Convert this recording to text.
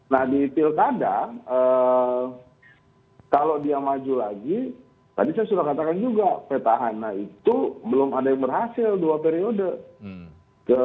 nah di pilkada kalau dia maju lagi tadi saya sudah katakan juga petahana itu belum ada yang berhasil dua periode